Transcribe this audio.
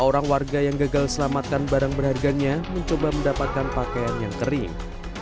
orang warga yang gagal selamatkan barang berharganya mencoba mendapatkan pakaian yang kering